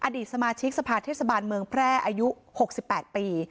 อดีตสมาชิกสะพาทเทศบาลเมืองแพร่อายุหกสิบแปดปี